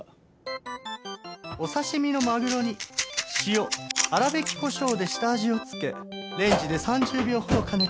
お刺し身のマグロに塩粗びきコショウで下味をつけレンジで３０秒ほど加熱。